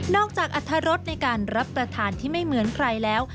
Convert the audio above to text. จากอรรถรสในการรับประทานที่ไม่เหมือนใครแล้ว